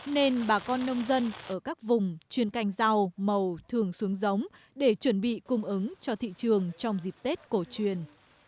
nên bà con nông dân ở các vùng chuyên canh rau màu thường xuống giống để chuẩn bị cung ứng cho thị trường trong dịp tết cổ truyền